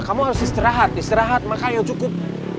kamu harus istirahat istirahat maka yang cukupnya